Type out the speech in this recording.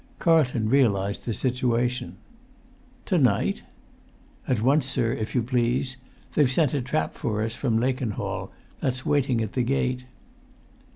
Carlton realised the situation. "To night?" "At once, sir, if you please. They've sent a trap for us from Lakenhall. That's waiting at the gate."